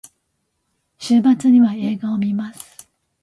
週末には映画を観ます。